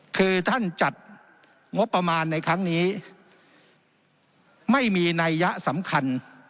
คือท่านจัดงบประมาณในครั้งนี้ไม่มีนัยยะสำคัญ